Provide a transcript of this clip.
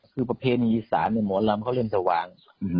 คือประเพณีอีสานหมอลำเขาเล่นสว่าง